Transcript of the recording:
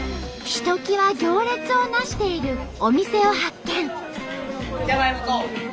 ひときわ行列をなしているお店を発見。